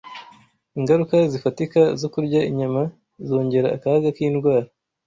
Ingaruka Zifatika zo Kurya Inyama Zongera Akaga k’Indwara